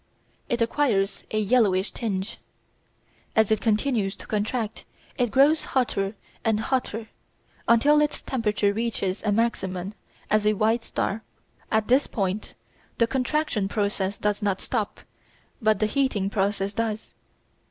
It acquires a yellowish tinge. As it continues to contract it grows hotter and hotter until its temperature reaches a maximum as a white star. At this point the contraction process does not stop, but the heating process does.